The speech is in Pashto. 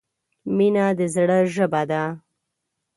• مینه د زړۀ ژبه ده.